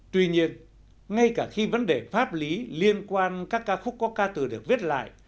tuy nhiên ngay cả khi vấn đề pháp lý liên quan các ca khúc có ca từ được viết lại